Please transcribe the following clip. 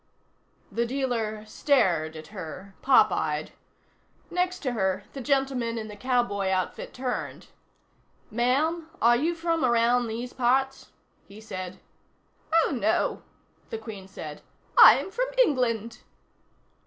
The dealer stared at her popeyed. Next to her, the gentleman in the cowboy outfit turned. "Ma'am, are you from around these parts?" he said. "Oh, no," the Queen said. "I'm from England."